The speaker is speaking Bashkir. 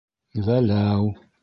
Вәләү!